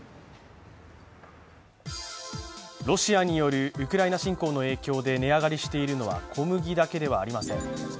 ロシアによるウクライナ侵攻の影響で値上がりしているのは小麦だけではありません。